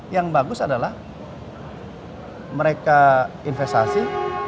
yang bagus adalah mereka investasi